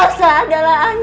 elsa adalah anaknya